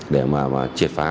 để mà triệt phá